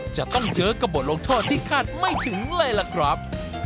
จะต้องเจอกับบทลงโทษที่คาดไม่ถึงเลยล่ะครับ